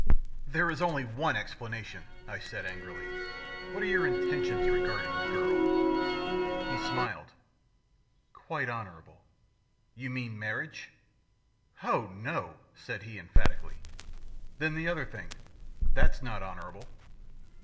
"There is only one explanation," said I angrily. "What are your intentions regarding the girl?" He smiled. "Quite honourable." "You mean marriage?" "Oh, no," said he, emphatically. "Then the other thing? That's not honourable."